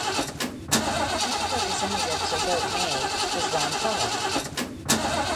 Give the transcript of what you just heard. The only Representative to vote "Nay" was Ron Paul.